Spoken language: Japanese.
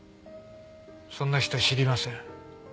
そんな人知りません。